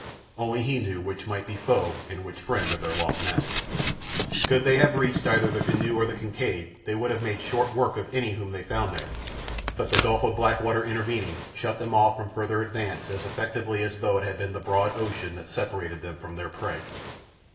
Only he knew which might be foe and which friend of their lost master. Could they have reached either the canoe or the Kincaid they would have made short work of any whom they found there, but the gulf of black water intervening shut them off from farther advance as effectually as though it had been the broad ocean that separated them from their prey.